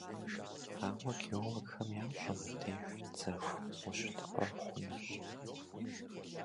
Ауэ геологхэм ящӀэ: мыбдеж дзэху ущылъыхъуэ хъунущ.